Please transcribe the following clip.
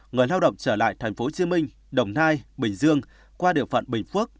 người lao động trở lại tp hcm đồng nai bình dương qua địa phận bình phước